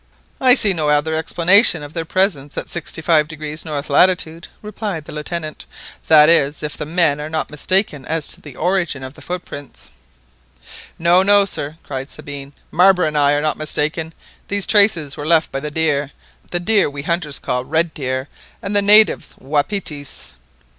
"I see no other explanation of their presence at 65° N. lat.," replied the Lieutenant "that is, if the men are not mistaken as to the origin of the footprints." "No, no, sir," cried Sabine; "Marbre and I are not mistaken. These traces were left by deer, the deer we hunters call red deer, and the natives wapitis."